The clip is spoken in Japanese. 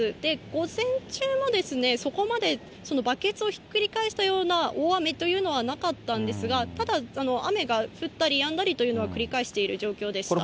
午前中もそこまで、そのバケツをひっくり返すような大雨というのはなかったんですが、ただ雨が降ったりやんだりというのは繰り返している状況でした。